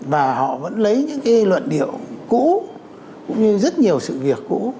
và họ vẫn lấy những cái luận điệu cũ cũng như rất nhiều sự việc cũ